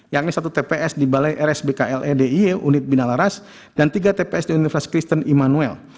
yakni satu tps di balai rsbkle d i e unit binalaras dan tiga tps di universitas kristen immanuel